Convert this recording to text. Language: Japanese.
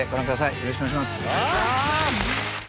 よろしくお願いします。